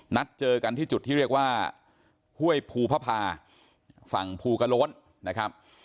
นัดเจอกันที่จุดที่เรียกว่าห้วยภูพภาฝั่งภูกระโล้นนะครับ